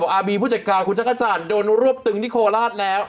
อาร์บีผู้จัดการคุณจักรจันทร์โดนรวบตึงที่โคราชแล้ว